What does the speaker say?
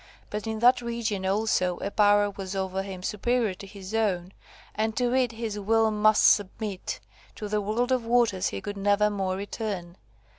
But in that region also, a power was over him superior to his own, and to it his will must submit. To the world of waters he could never more return.